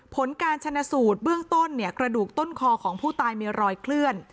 ผลการชนะสูตรเบื้องต้นกระดูกต้นคอของผู้ตายมีรอยเคลื่อน